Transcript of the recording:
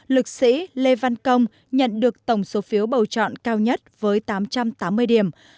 lực sĩ lê văn công nhận được tổng số phiếu bầu chọn cao nhất với tám trăm tám mươi điểm